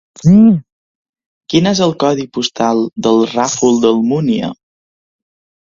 Quin és el codi postal del Ràfol d'Almúnia?